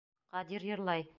Ҡадир йырлай!